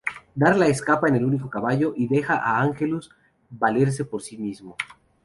Darla escapa en el único caballo y deja a Angelus valerse por sí mismo.